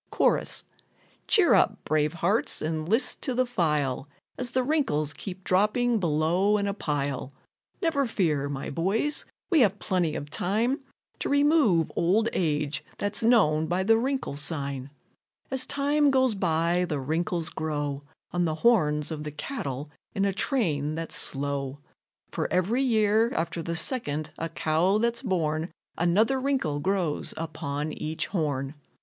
Chorus. Cheer up, brave hearts, and list to the file As the wrinkles keep dropping below in a pile; Never fear, my boys, we have plenty of time To remove old age that's known by the wrinkle sign. And as time goes by the wrinkles grow On the horns of the cattle in a train that's slow; For every year after the second a cow that's born Another wrinkle grows upon each horn.